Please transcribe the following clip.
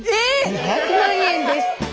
⁉２００万円です！